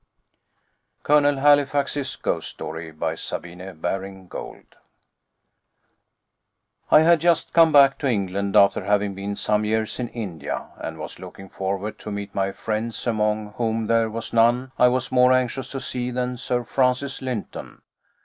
COLONEL HALIFAX'S GHOST STORY I had just come back to England, after having been some years in India, and was looking forward to meet my friends, among whom there was none I was more anxious to see than Sir Francis Lynton.